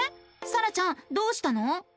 さらちゃんどうしたの？